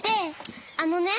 あのね。